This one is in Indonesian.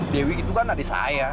dewi itu kan adik saya